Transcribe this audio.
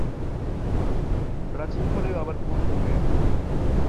প্রাচীন হলেও আবার কোন যুগের?